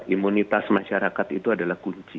imunitas masyarakat itu adalah kunci